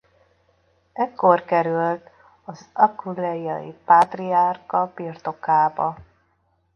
Ekkor került az aquileiai pátriárka birtokába.